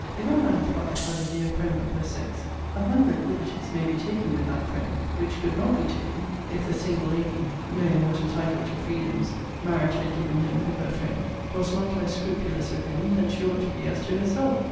If a man's wife has a dear friend of her sex, a hundred liberties may be taken with that friend, which could not be taken, if the single lady (knowing what a title to freedoms marriage had given him with her friend) was not less scrupulous with him than she ought to be as to herself.